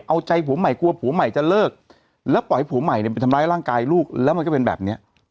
เอาใจผัวใหม่กลัวผัวใหม่จะเลิกแล้วปล่อยผัวใหม่เนี่ยไปทำร้ายร่างกายลูกแล้วมันก็เป็นแบบเนี้ย